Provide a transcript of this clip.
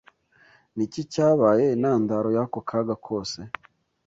Ni iki cyabaye intandaro y’ako kaga kose?